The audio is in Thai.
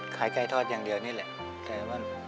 ขายไก่ทอดอย่างเดียวนี่แหละ